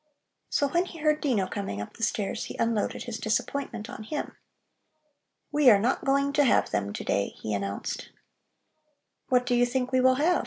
So when he heard Dino coming up the stairs, he unloaded his disappointment on him. "We are not going to have them to day," he announced. "What do you think we will have?